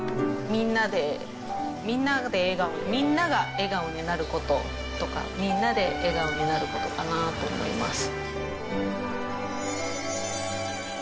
みんなで、みんなで笑顔、みんなが笑顔になることとか、みんなで笑顔になることかなと思います。